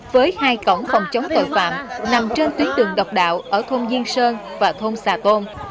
với hai cổng phòng chống tội phạm nằm trên tuyến đường độc đạo ở thôn diên sơn và thôn xà tôn